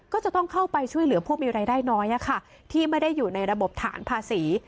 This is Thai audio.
ก็จะต้องเข้าไปช่วยเหลือผู้มีรายได้น้อยที่ไม่ได้อยู่ในระบบฐานภาษี